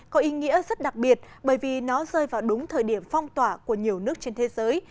có ý nghĩa rất đặc biệt bởi vì nó rơi vào đúng thời điểm phong tỏa của nhiều nước trên thế giới